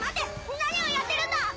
何をやってるんだ！